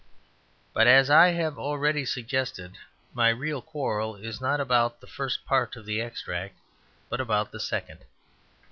But, as I have already suggested, my real quarrel is not about the first part of the extract, but about the second.